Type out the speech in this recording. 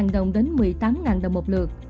bảy đồng một mươi tám đồng một lượt